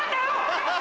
ハハハ！